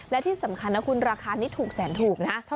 และที่สำคัญนะคุณราคานี้ถูกแสนถูกนะ